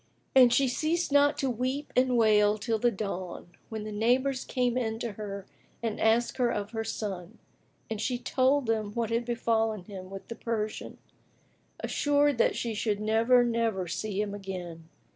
And she ceased not to weep and wail till the dawn, when the neighbours came in to her and asked her of her son, and she told them what had befallen him with the Persian, assured that she should never, never see him again.